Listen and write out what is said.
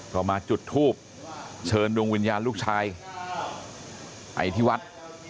ก็มาจุดทูบเชิญดวงวิญญาณลูกชายไปที่วัด